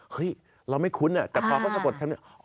เฮ้ยเราไม่คุ้นอ่ะแต่พอเขาสะกดคำนี้